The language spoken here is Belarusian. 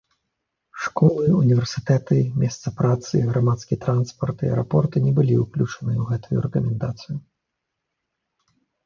Школы, універсітэты, месца працы, грамадскі транспарт і аэрапорты не былі ўключаныя ў гэтую рэкамендацыю.